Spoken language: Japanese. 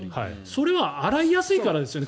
それは洗いやすいからですよね